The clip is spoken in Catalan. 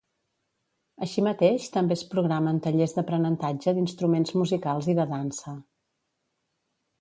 Així mateix també es programen tallers d'aprenentatge d'instruments musicals i de dansa.